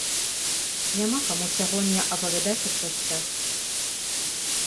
Няма каму сягоння апавядаць аб гасцях.